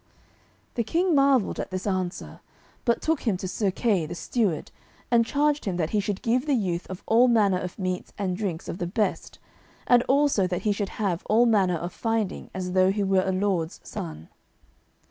The King marvelled at this answer, but took him to Sir Kay, the steward, and charged him that he should give the youth of all manner of meats and drinks of the best, and also that he should have all manner of finding as though he were a lord's son.